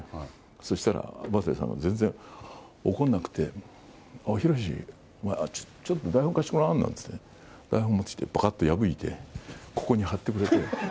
そしたら、渡さんが全然怒んなくて、ひろし、お前、ちょっと台本貸してごらんって言って、台本持っていってぱかって破いてここに貼ってくれて。